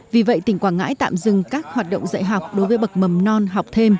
vì vậy tỉnh quảng ngãi tạm dừng các hoạt động dạy học đối với bậc mầm non học thêm